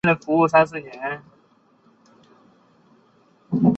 吊钩或起重机。